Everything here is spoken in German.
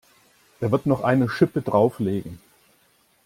Er wird noch eine Schippe drauflegen.